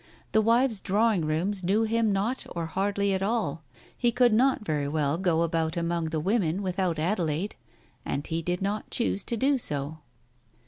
The wives' drawing rooms knew him not or hardly at all, he could not very well go about among the women without Adelaide, and he did not choose to do so.